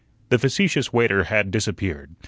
The facetious waiter had disappeared.